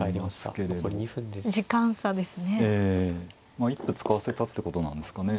まあ一歩使わせたってことなんですかね。